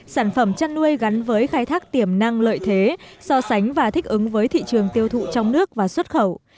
sản phẩm chăn nuôi gắn với khai thác tiềm năng lợi thế so sánh và thích ứng với thị trường tiêu thụ trong nước và xuất khẩu